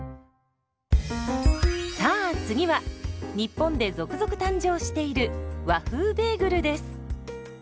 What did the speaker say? さあ次は日本で続々誕生している「和風ベーグル」です。